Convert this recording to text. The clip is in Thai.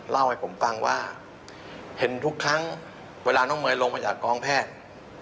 เล่าให้ผมฟังว่าเห็นทุกครั้งเวลาน้องเมย์ลงมาจากกองแพทย์